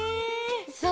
そう。